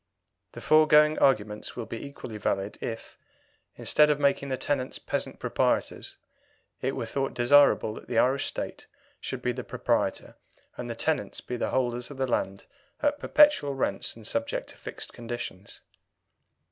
The foregoing arguments will be equally valid if, instead of making the tenants peasant proprietors, it were thought desirable that the Irish State should be the proprietor and the tenants be the holders of the land at perpetual rents and subject to fixed conditions.